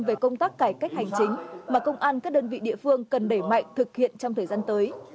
về công tác cải cách hành chính mà công an các đơn vị địa phương cần đẩy mạnh thực hiện trong thời gian tới